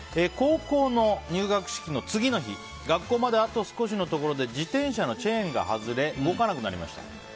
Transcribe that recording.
高校の入学式の次の日学校まであと少しのところで自転車のチェーンが外れ動かなくなりました。